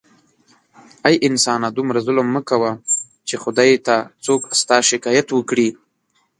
اې انسانه دومره ظلم مه کوه چې خدای ته څوک ستا شکایت وکړي